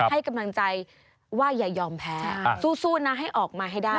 ให้กำลังใจว่าอย่ายอมแพ้สู้นะให้ออกมาให้ได้